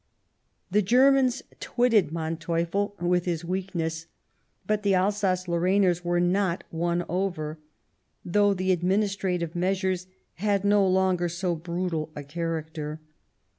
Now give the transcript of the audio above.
The Germans twitted Manteuffel with his weak ness ; but the Alsace Lorrainers were not won over, though the administrative measures had no longer so brutal a character.